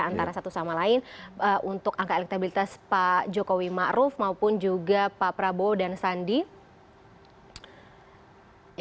antara satu sama lain untuk angka elektabilitas pak jokowi ⁇ maruf ⁇ maupun juga pak prabowo dan sandi